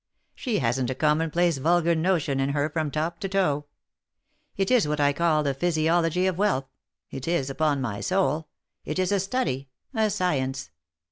She hasn't a commonplace vulgar notion in her from top to toe. It is what I call the physiology of wealth — it is upon my soul — it is a study, a science.